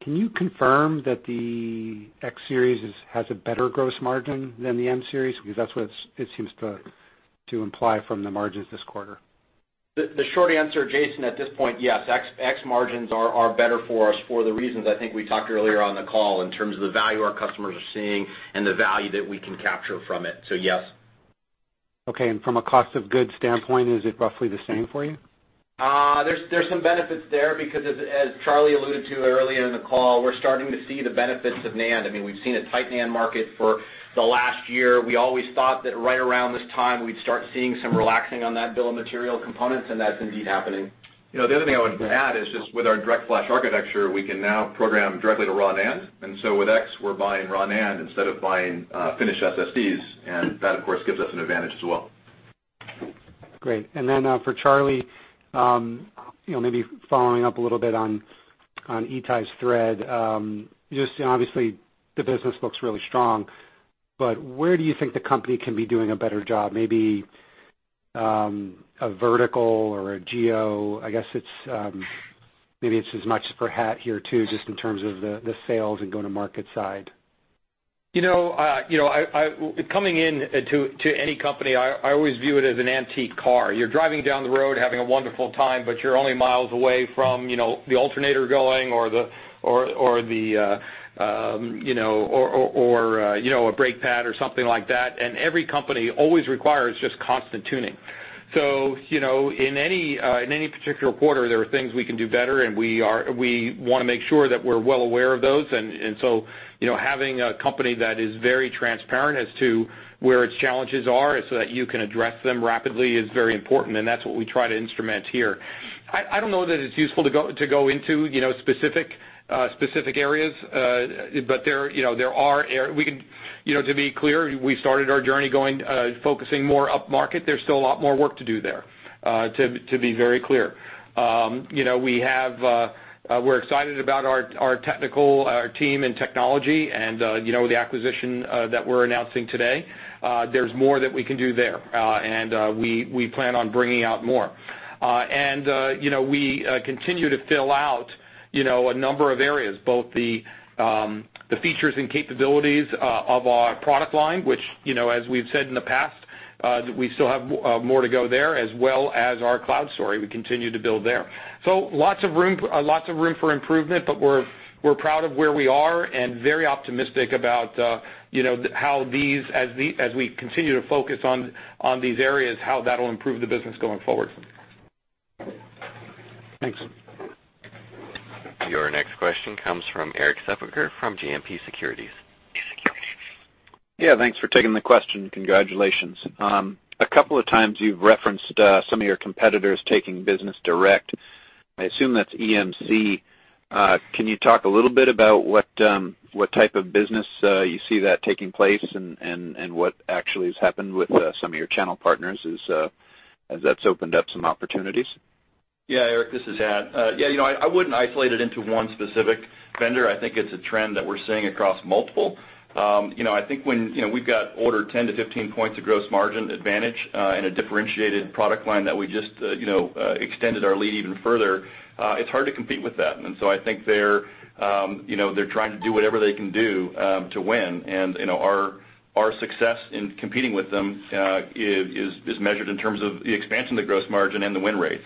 can you confirm that the X series has a better gross margin than the M series? Because that's what it seems to imply from the margins this quarter. The short answer, Jason Ader, at this point, yes. X margins are better for us for the reasons I think we talked earlier on the call in terms of the value our customers are seeing and the value that we can capture from it. Yes. Okay. From a cost-of-goods standpoint, is it roughly the same for you? There's some benefits there because as Charlie alluded to earlier in the call, we're starting to see the benefits of NAND. We've seen a tight NAND market for the last year. We always thought that right around this time we'd start seeing some relaxing on that bill of material components, and that's indeed happening. The other thing I would add is just with our DirectFlash architecture, we can now program directly to raw NAND. With X, we're buying raw NAND instead of buying finished SSDs, and that, of course, gives us an advantage as well. Great. For Charlie, maybe following up a little bit on Ittai's thread. Just obviously the business looks really strong, but where do you think the company can be doing a better job? Maybe a vertical or a geo, I guess maybe it's as much per Hat here, too, just in terms of the sales and go-to-market side. Coming into any company, I always view it as an antique car. You're driving down the road, having a wonderful time, but you're only miles away from the alternator going or a brake pad or something like that. Every company always requires just constant tuning. In any particular quarter, there are things we can do better and we want to make sure that we're well aware of those. Having a company that is very transparent as to where its challenges are so that you can address them rapidly is very important, and that's what we try to instrument here. I don't know that it's useful to go into specific areas. To be clear, we started our journey going focusing more upmarket. There's still a lot more work to do there, to be very clear. We're excited about our technical team and technology and the acquisition that we're announcing today. There's more that we can do there. We plan on bringing out more. We continue to fill out a number of areas, both the features and capabilities of our product line, which, as we've said in the past, that we still have more to go there as well as our cloud story. We continue to build there. Lots of room for improvement, but we're proud of where we are and very optimistic about how as we continue to focus on these areas, how that'll improve the business going forward. Thanks. Your next question comes from Eric Sefferer from GMP Securities. Yeah. Thanks for taking the question. Congratulations. A couple of times you've referenced some of your competitors taking business direct. I assume that's EMC. Can you talk a little bit about what type of business you see that taking place and what actually has happened with some of your channel partners as that's opened up some opportunities? Yeah, Eric, this is Ad. I wouldn't isolate it into one specific vendor. I think it's a trend that we're seeing across multiple. I think when we've got order 10 to 15 points of gross margin advantage in a differentiated product line that we just extended our lead even further, it's hard to compete with that. I think they're trying to do whatever they can do to win. Our success in competing with them is measured in terms of the expansion of the gross margin and the win rates.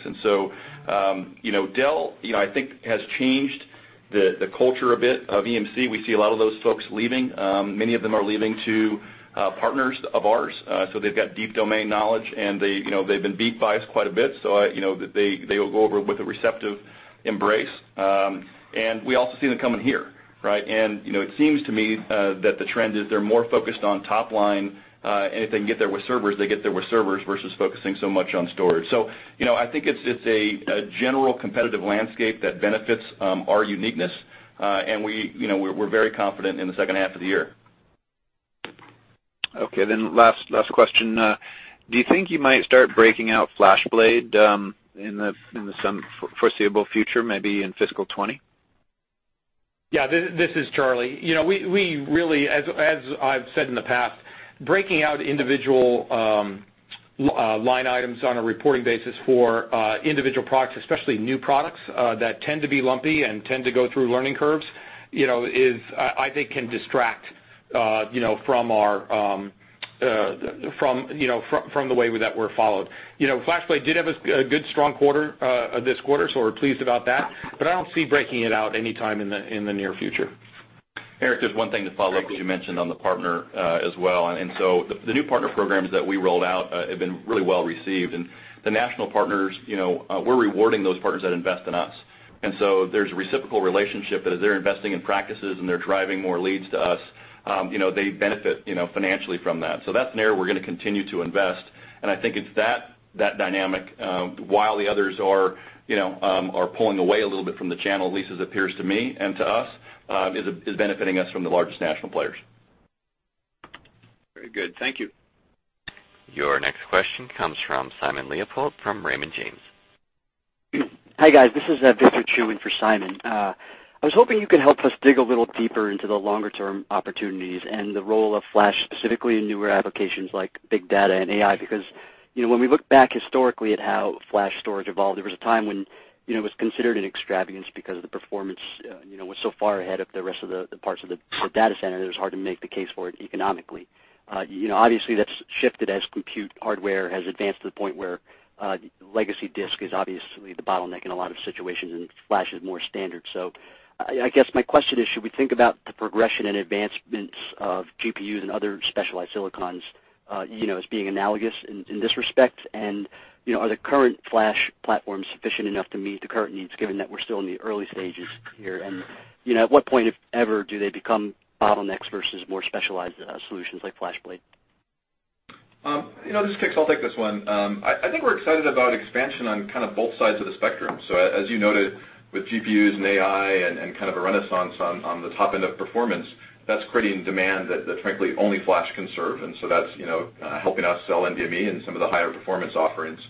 Dell, I think, has changed the culture a bit of EMC. We see a lot of those folks leaving. Many of them are leaving to partners of ours. They've got deep domain knowledge, and they've been beat by us quite a bit, so they will go over with a receptive embrace. We also see them coming here. Right. It seems to me that the trend is they're more focused on top line. If they can get there with servers, they get there with servers versus focusing so much on storage. I think it's a general competitive landscape that benefits our uniqueness. We're very confident in the second half of the year. Last question. Do you think you might start breaking out FlashBlade in the some foreseeable future, maybe in fiscal 2020? Yeah, this is Charlie. We really, as I've said in the past, breaking out individual line items on a reporting basis for individual products, especially new products that tend to be lumpy and tend to go through learning curves, I think can distract from the way that we're followed. FlashBlade did have a good, strong quarter this quarter, so we're pleased about that, but I don't see breaking it out anytime in the near future. Eric, just one thing to follow up, because you mentioned on the partner as well. The new partner programs that we rolled out have been really well received. The national partners, we're rewarding those partners that invest in us. There's a reciprocal relationship that as they're investing in practices and they're driving more leads to us, they benefit financially from that. That's an area we're going to continue to invest. I think it's that dynamic while the others are pulling away a little bit from the channel, at least as it appears to me and to us, is benefiting us from the largest national players. Very good. Thank you. Your next question comes from Simon Leopold, from Raymond James. Hi, guys. This is Victor Chu in for Simon. I was hoping you could help us dig a little deeper into the longer-term opportunities and the role of Flash, specifically in newer applications like big data and AI. When we look back historically at how flash storage evolved, there was a time when it was considered an extravagance because of the performance was so far ahead of the rest of the parts of the data center that it was hard to make the case for it economically. Obviously, that's shifted as compute hardware has advanced to the point where legacy disk is obviously the bottleneck in a lot of situations, and flash is more standard. I guess my question is, should we think about the progression and advancements of GPUs and other specialized silicons as being analogous in this respect? Are the current Flash platforms sufficient enough to meet the current needs, given that we're still in the early stages here? At what point, if ever, do they become bottlenecks versus more specialized solutions like FlashBlade? This is Kick. I'll take this one. I think we're excited about expansion on both sides of the spectrum. As you noted with GPUs and AI and a renaissance on the top end of performance, that's creating demand that frankly only Flash can serve. That's helping us sell NVMe and some of the higher performance offerings.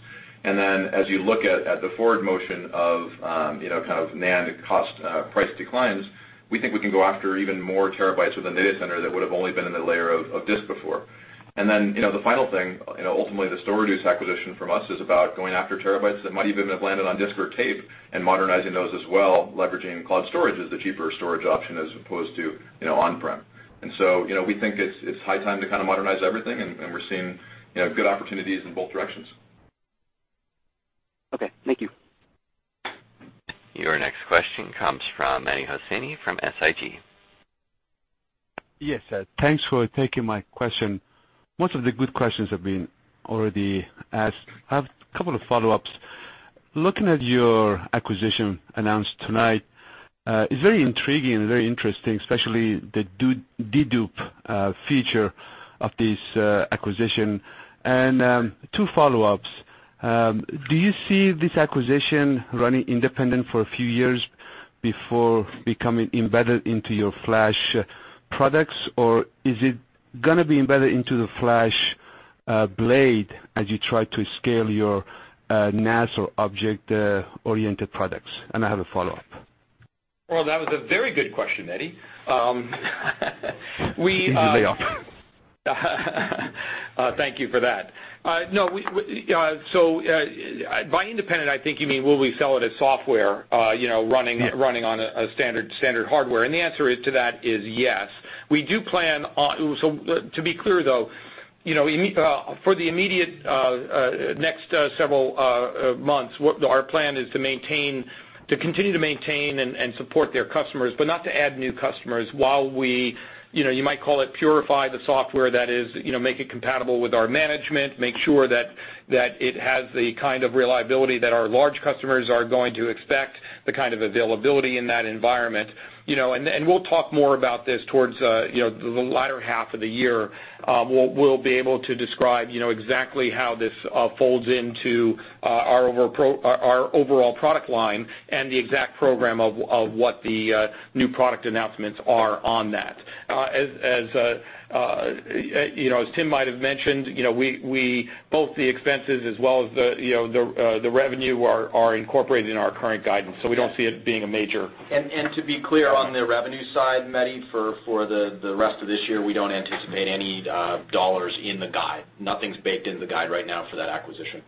As you look at the forward motion of NAND cost price declines, we think we can go after even more terabytes of the data center that would have only been in the layer of disk before. The final thing, ultimately the StorReduce acquisition from us is about going after terabytes that might even have landed on disk or tape and modernizing those as well, leveraging cloud storage as the cheaper storage option as opposed to on-prem. We think it's high time to modernize everything, and we're seeing good opportunities in both directions. Okay. Thank you. Your next question comes from Mehdi Hosseini from SIG. Yes. Thanks for taking my question. Most of the good questions have been already asked. I have a couple of follow-ups. Looking at your acquisition announced tonight, it's very intriguing and very interesting, especially the dedupe feature of this acquisition. Two follow-ups. Do you see this acquisition running independent for a few years before becoming embedded into your Flash products, or is it going to be embedded into the FlashBlade as you try to scale your NAS or object-oriented products? I have a follow-up. Well, that was a very good question, Mehdi. Usually are. Thank you for that. By independent, I think you mean will we sell it as software running on a standard hardware? The answer to that is yes. To be clear, though, for the immediate next several months, our plan is to continue to maintain and support their customers, but not to add new customers while we, you might call it purify the software, that is, make it compatible with our management, make sure that it has the kind of reliability that our large customers are going to expect, the kind of availability in that environment. We'll talk more about this towards the latter half of the year. We'll be able to describe exactly how this folds into our overall product line and the exact program of what the new product announcements are on that. As Tim might have mentioned, both the expenses as well as the revenue are incorporated in our current guidance. We don't see it being a major- To be clear, on the revenue side, Mehdi, for the rest of this year, we don't anticipate any dollars in the guide. Nothing's baked in the guide right now for that acquisition.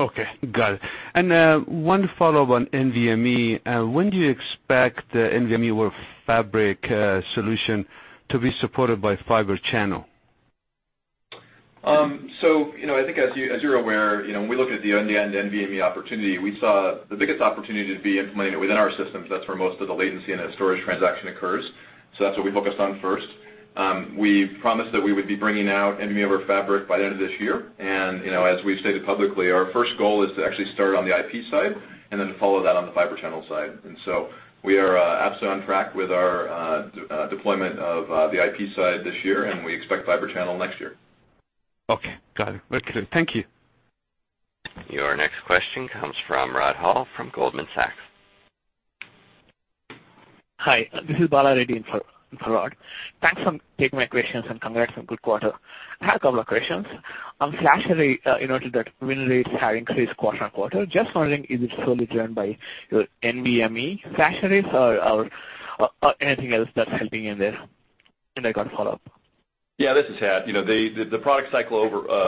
Okay. Got it. One follow-up on NVMe. When do you expect the NVMe over Fabrics solution to be supported by Fibre Channel? I think as you're aware, when we look at the end-to-end NVMe opportunity, we saw the biggest opportunity to be implementing it within our systems. That's where most of the latency in a storage transaction occurs, so that's what we focused on first. We promised that we would be bringing out NVMe over Fabrics by the end of this year, and as we've stated publicly, our first goal is to actually start on the IP side and then follow that on the Fibre Channel side. We are absolutely on track with our deployment of the IP side this year, and we expect Fibre Channel next year. Okay. Got it. Very clear. Thank you. Your next question comes from Rod Hall from Goldman Sachs. Hi. This is Bala Reddy in for Rod. Thanks for taking my questions, and congrats on good quarter. I have a couple of questions. On FlashArray, you noted that win rates have increased quarter-on-quarter. Just wondering, is it solely driven by NVMe FlashArrays or anything else that's helping in there? I got a follow-up. This is Tad. The product cycle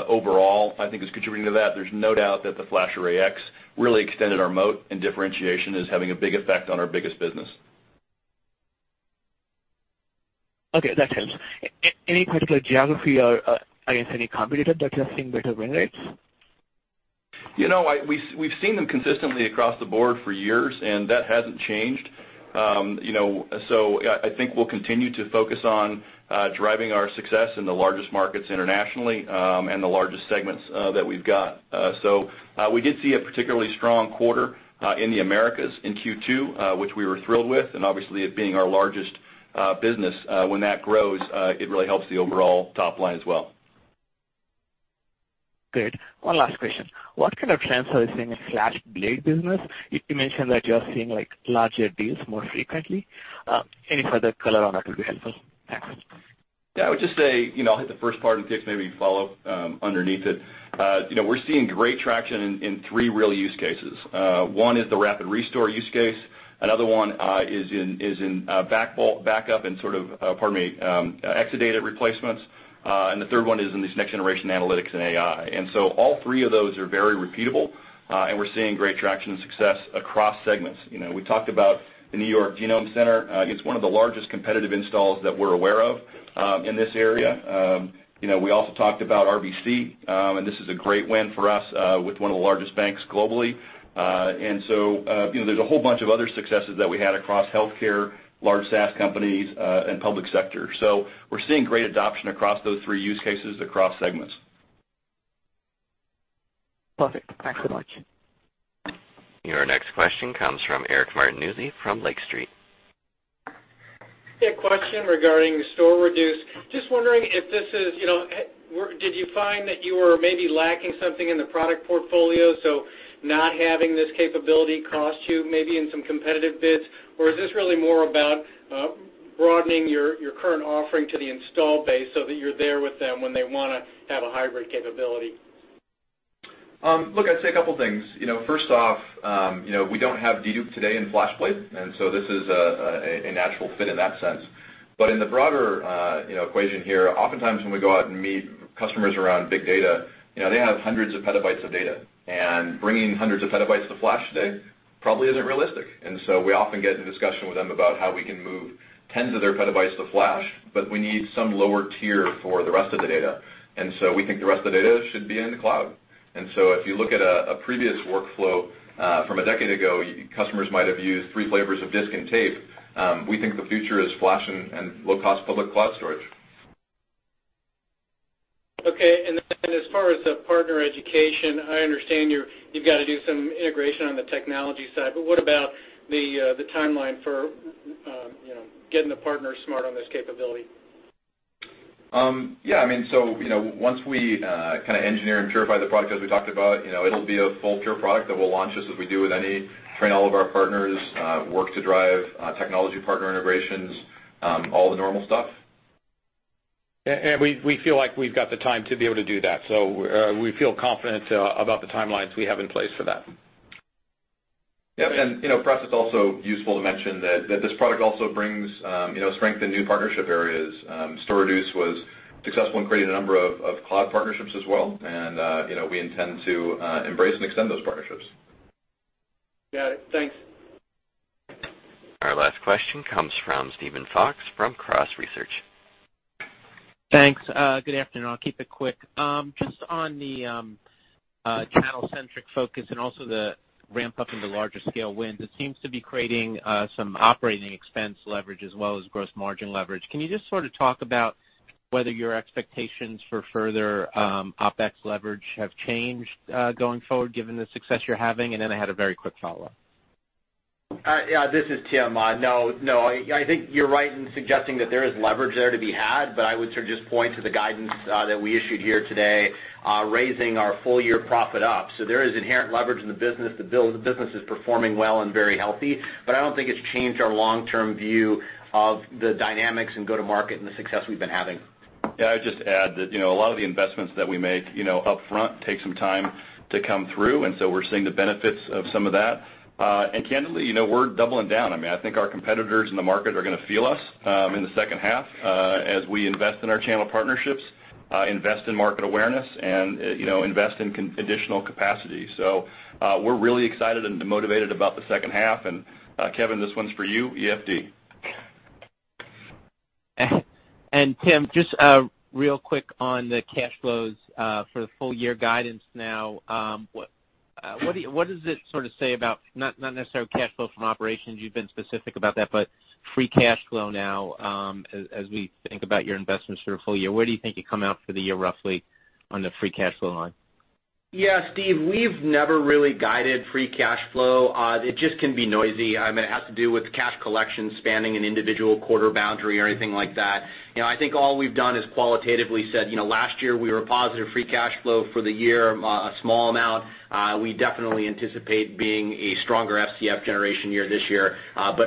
overall I think is contributing to that. There's no doubt that the FlashArray//X really extended our moat and differentiation is having a big effect on our biggest business. That helps. Any particular geography or against any competitor that you are seeing better win rates? We've seen them consistently across the board for years, that hasn't changed. I think we'll continue to focus on driving our success in the largest markets internationally, the largest segments that we've got. We did see a particularly strong quarter in the Americas in Q2, which we were thrilled with. Obviously it being our largest business, when that grows, it really helps the overall top line as well. Great. One last question. What kind of trends are you seeing in FlashBlade business? You mentioned that you are seeing larger deals more frequently. Any further color on that would be helpful. Thanks. I would just say, I'll hit the first part and Tiff maybe follow underneath it. We're seeing great traction in three real use cases. One is the rapid restore use case. Another one is in backup and sort of, pardon me, Exadata replacements. The third one is in these next generation analytics and AI. All three of those are very repeatable, and we're seeing great traction and success across segments. We talked about the New York Genome Center. It's one of the largest competitive installs that we're aware of in this area. We also talked about RBC, and this is a great win for us with one of the largest banks globally. There's a whole bunch of other successes that we had across healthcare, large SaaS companies, and public sector. We're seeing great adoption across those three use cases, across segments. Perfect. Thanks so much. Your next question comes from Eric Martinuzzi from Lake Street. Question regarding StorReduce. Just wondering if this is, did you find that you were maybe lacking something in the product portfolio, not having this capability cost you maybe in some competitive bids? Is this really more about broadening your current offering to the install base so that you're there with them when they want to have a hybrid capability? Look, I'd say a couple things. First off, we don't have dedupe today in FlashBlade, this is a natural fit in that sense. In the broader equation here, oftentimes when we go out and meet customers around big data, they have hundreds of petabytes of data. Bringing hundreds of petabytes to flash today probably isn't realistic. We often get into discussion with them about how we can move tens of their petabytes to flash, we need some lower tier for the rest of the data. We think the rest of the data should be in the cloud. If you look at a previous workflow from a decade ago, customers might have used three flavors of disk and tape. We think the future is flash and low-cost public cloud storage. Okay. As far as the partner education, I understand you've got to do some integration on the technology side, what about the timeline for getting the partners smart on this capability? Yeah. Once we engineer and purify the product as we talked about, it'll be a full Pure product that we'll launch just as we do with any, train all of our partners, work to drive technology partner integrations, all the normal stuff. We feel like we've got the time to be able to do that. We feel confident about the timelines we have in place for that. Yep. Pras, it's also useful to mention that this product also brings strength in new partnership areas. StorReduce was successful in creating a number of cloud partnerships as well, and we intend to embrace and extend those partnerships. Got it. Thanks. Our last question comes from Steven Fox from Cross Research. Thanks. Good afternoon. I'll keep it quick. Just on the channel-centric focus and also the ramp-up into larger scale wins, it seems to be creating some operating expense leverage as well as gross margin leverage. Can you just sort of talk about whether your expectations for further OpEx leverage have changed, going forward, given the success you're having? Then I had a very quick follow-up. Yeah. This is Tim. I think you're right in suggesting that there is leverage there to be had, I would sort of just point to the guidance that we issued here today, raising our full-year profit up. There is inherent leverage in the business. The business is performing well and very healthy. I don't think it's changed our long-term view of the dynamics in go-to-market and the success we've been having. Yeah, I'd just add that a lot of the investments that we make upfront take some time to come through, we're seeing the benefits of some of that. Candidly, we're doubling down. I think our competitors in the market are going to feel us in the second half as we invest in our channel partnerships, invest in market awareness, and invest in additional capacity. We're really excited and motivated about the second half, and Kevin, this one's for you, EFD. Tim, just real quick on the cash flows for the full-year guidance now. What does it say about, not necessarily cash flow from operations, you've been specific about that, free cash flow now as we think about your investments through the full year. Where do you think you come out for the year roughly on the free cash flow line? Yeah, Steve, we've never really guided free cash flow. It just can be noisy. It has to do with cash collection spanning an individual quarter boundary or anything like that. I think all we've done is qualitatively said, "Last year, we were a positive free cash flow for the year, a small amount. We definitely anticipate being a stronger FCF generation year this year."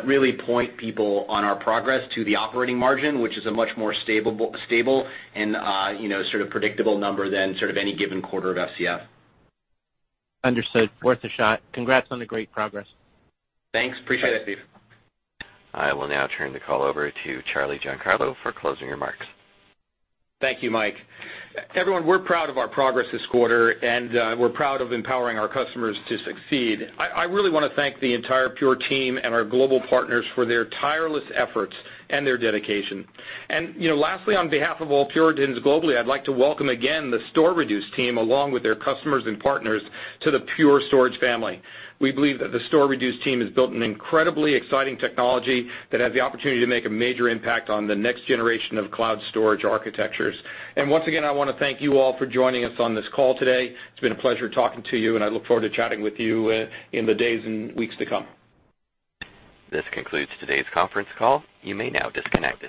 Really point people on our progress to the operating margin, which is a much more stable and predictable number than any given quarter of FCF. Understood. Worth a shot. Congrats on the great progress. Thanks. Appreciate it, Steve. I will now turn the call over to Charles Giancarlo for closing remarks. Thank you, Mike. Everyone, we're proud of our progress this quarter, and we're proud of empowering our customers to succeed. I really want to thank the entire Pure team and our global partners for their tireless efforts and their dedication. Lastly, on behalf of all Pureians globally, I'd like to welcome again the StorReduce team, along with their customers and partners to the Pure Storage family. We believe that the StorReduce team has built an incredibly exciting technology that has the opportunity to make a major impact on the next generation of cloud storage architectures. Once again, I want to thank you all for joining us on this call today. It's been a pleasure talking to you, and I look forward to chatting with you in the days and weeks to come. This concludes today's conference call. You may now disconnect.